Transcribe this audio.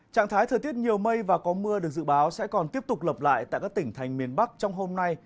trạng thái thời tiết nhiều mây và có mưa được dự báo sẽ còn tiếp tục lập lại tại các tỉnh thành miền bắc trong hôm nay